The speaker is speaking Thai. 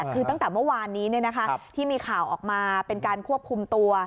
คือตั้งแต่เมื่อวานนี้ที่มีข่าวออกมาเป็นการควบคุมตัว